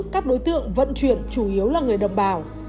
các đối tượng vận chuyển chủ yếu là người đồng bào